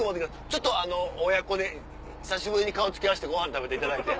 ちょっと親子で久しぶりに顔突き合わせてごはん食べていただいて。